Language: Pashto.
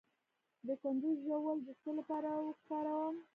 د کندر ژوول د څه لپاره وکاروم؟